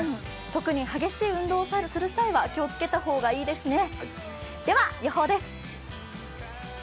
特に激しい運動をする際は気をつけた方がいいですね。